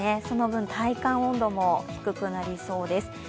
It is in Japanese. その分、体感温度も低くなりそうです。